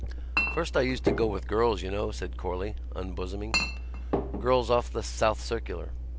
"First I used to go with girls, you know," said Corley, unbosoming; "girls off the South Circular.